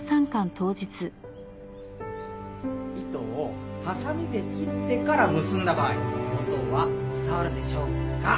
糸をはさみで切ってから結んだ場合音は伝わるでしょうか？